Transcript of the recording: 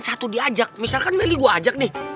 satu diajak misalkan meli gue ajak nih